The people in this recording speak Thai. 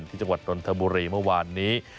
จังหวัดนทบุรีเมื่อวานนี้